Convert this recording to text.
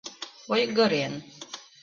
Ойгырен